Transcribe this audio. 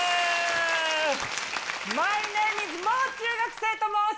マイネームイズもう中学生と申します。